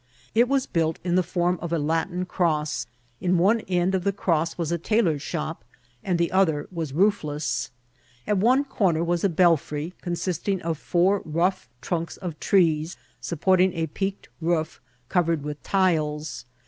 It was built in the form of a Latin cross. In one end of the cross was a tailor's shop, and the other was roof less. At one corner was a belfry, consisting of four rough trunks of trees supporting a peaked roof covered with tiles.